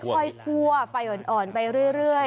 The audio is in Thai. ค่อยคั่วไฟอ่อนไปเรื่อย